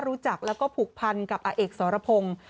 รู้จักแล้วก็ผูกพันกับอาเอกสรพงศ์